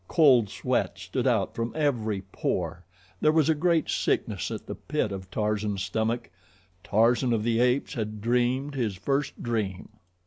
Cold sweat stood out from every pore, there was a great sickness at the pit of Tarzan's stomach. Tarzan of the Apes had dreamed his first dream.